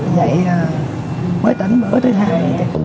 vậy mới tỉnh bữa thứ hai